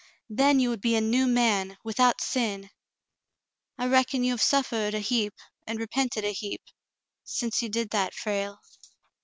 "Then you would be a new man, without sin. I reckon you have suffered a heap, and repented a heap — since you did that, Frale